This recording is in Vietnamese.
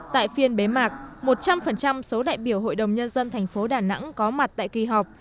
tại phiên bế mạc một trăm linh số đại biểu hội đồng nhân dân thành phố đà nẵng có mặt tại kỳ họp